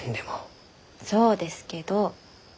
そうですけど。